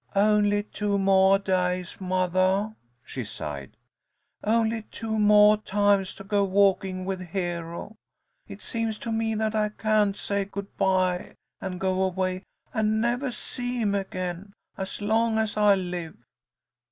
"Only two moah days, mothah," she sighed "Only two moah times to go walking with Hero. It seems to me that I can't say good bye and go away, and nevah see him again as long as I live!"